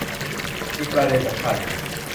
มีประเด็นสำคัญ